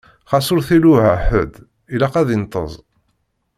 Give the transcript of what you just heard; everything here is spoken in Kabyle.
Xas ur t-iluɛa ḥedd, ilaq ad d-inṭeẓ.